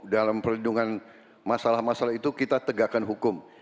dalam perlindungan masalah masalah itu kita tegakkan hukum